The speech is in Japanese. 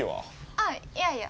あっいやいや。